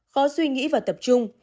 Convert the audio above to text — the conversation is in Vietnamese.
khó suy nghĩ và tập trung